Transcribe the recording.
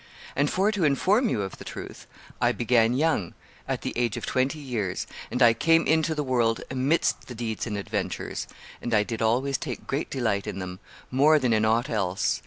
And, for to inform you of the truth, I began young, at the age of twenty years, and I came into the world amidst the deeds and adventures, and I did always take great delight in them, more than in aught else.